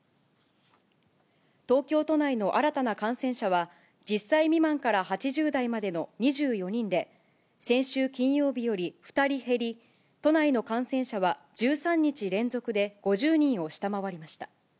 東京都内の新たな感染者は、１０歳未満から８０代までの２４人で、先週金曜日より２人減り、都内の感染者は１３日連続で５０人を下回りました。